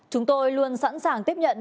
chúng tôi luôn sẵn sàng tiếp nhận